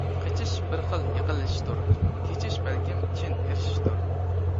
قېچىش بىر خىل يېقىنلىشىشتۇر، كېچىش بەلكىم چىن ئېرىشىشتۇر.